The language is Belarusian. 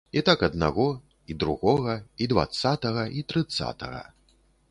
І так аднаго, й другога, й дваццатага, й трыццатага.